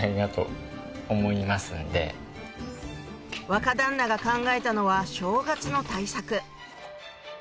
若旦那が考えたのは正月の対策